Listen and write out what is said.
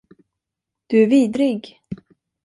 Du är vidrig.